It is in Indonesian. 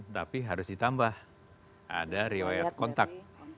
tapi harus ditambah ada riwayat kontak